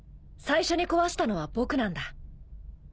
最初に壊したのは僕なんだ。